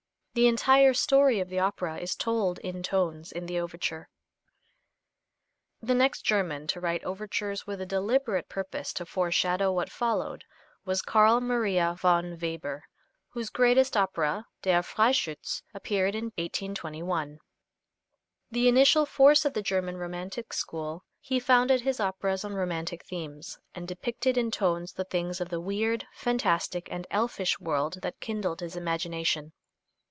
The entire story of the opera is told in tones in the overture. The next German to write overtures with a deliberate purpose to foreshadow what followed was Carl Maria von Weber, whose greatest opera, "Der Freischütz," appeared in 1821. The initial force of the German romantic school, he founded his operas on romantic themes, and depicted in tones the things of the weird, fantastic and elfish world that kindled his imagination.